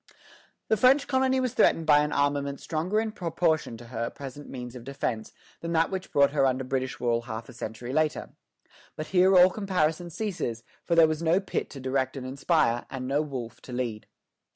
The French colony was threatened by an armament stronger in proportion to her present means of defence than that which brought her under British rule half a century later. But here all comparison ceases; for there was no Pitt to direct and inspire, and no Wolfe to lead.